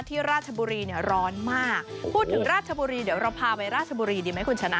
ราชบุรีเนี่ยร้อนมากพูดถึงราชบุรีเดี๋ยวเราพาไปราชบุรีดีไหมคุณชนะ